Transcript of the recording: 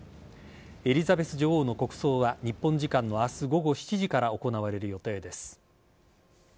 エリザベス女王の国葬は日本時間の明日午後７時から行われる予定です。